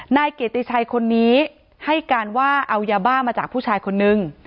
นายเกียรติชัยคนนี้ให้การว่าเอายาบ้ามาจากผู้ชายคนนึง